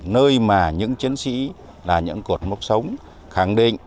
nơi mà những chiến sĩ là những cột mốc sống khẳng định